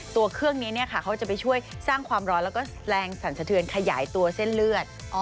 ตัวเครื่องนี้เขาจะไปช่วยสร้างความร้อนแล้วก็แรงสั่นสะเทือนขยายตัวเส้นเลือด